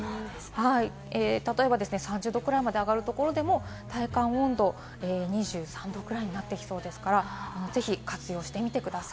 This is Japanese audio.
例えば３０度くらいまで上がるところでも、体感温度２３度くらいになってきそうですから、ぜひ活用してみてください。